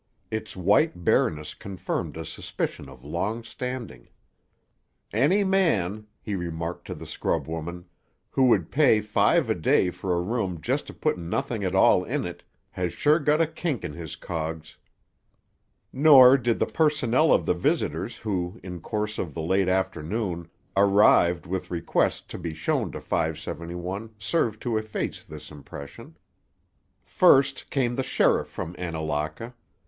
Its white bareness confirmed a suspicion of long standing. "Any man," he remarked to the scrub woman, "who would pay five a day for a room just to put nothing at all in it, has sure got a kink in his cogs." Nor did the personnel of the visitors who, in course of the late afternoon, arrived with requests to be shown to 571, serve to efface this impression. First came the sheriff from Annalaka.